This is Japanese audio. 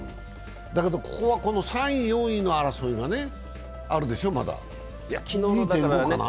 だけどここは３位、４位の争いがまだあるでしょ、２．５かな。